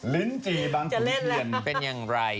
ลิ้นจีบังคุณเทียนเป็นอย่างไร